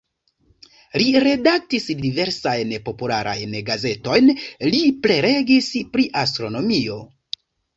Li redaktis diversajn popularajn gazetojn, li prelegis pri astronomio.